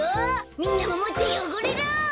みんなももっとよごれろ！